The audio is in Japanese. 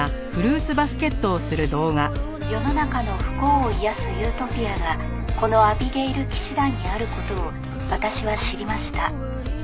「世の中の不幸を癒やすユートピアがこのアビゲイル騎士団にある事を私は知りました」